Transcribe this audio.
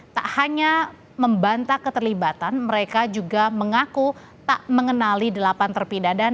tak hanya membantah keterlibatan mereka juga mengaku tak mengenali delapan terpidana